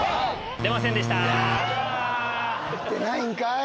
出ないんかい！